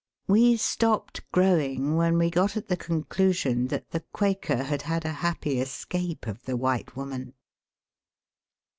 We stopped growing when we got at the conclusion that the Quaker had had a happy escape of the White Woman.